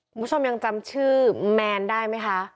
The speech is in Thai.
คุณผู้ชมยังจำชื่อแมนได้ไหมคะ